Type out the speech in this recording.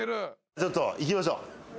ちょっと行きましょう。